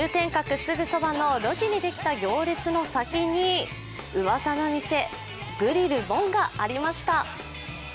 すぐそばの路地にできた行列の先に、うわさの店、グリル梵がありました。